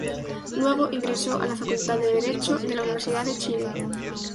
Luego ingresó a la Facultad de Derecho de la Universidad de Chile.